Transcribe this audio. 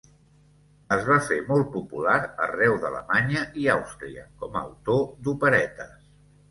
Es va fer molt popular arreu d'Alemanya i Àustria com a autor d'operetes.